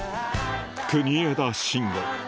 国枝慎吾